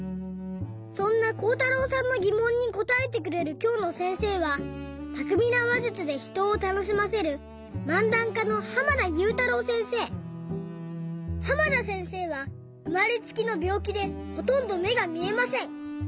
そんなこうたろうさんのぎもんにこたえてくれるきょうのせんせいはたくみなわじゅつでひとをたのしませる濱田せんせいはうまれつきのびょうきでほとんどめがみえません。